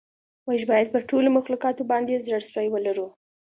موږ باید پر ټولو مخلوقاتو باندې زړه سوی ولرو.